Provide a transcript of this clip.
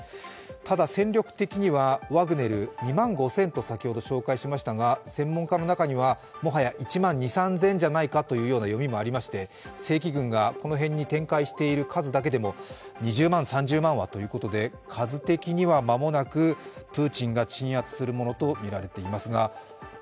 ただ、戦力的にはワグネル２万５０００と先ほど紹介しましたが専門家の中にはもはや１万２０００３０００じゃないかという読みもありまして正規軍がこの辺に展開している数だけでも、２０万、３０万ということで、数的には間もなくプーチンが鎮圧するものとみられていますが。